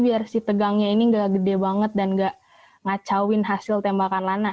biar si tegangnya ini gak gede banget dan gak ngacauin hasil tembakan lana